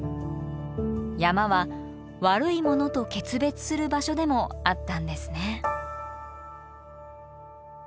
山は悪いものと決別する場所でもあったんですね。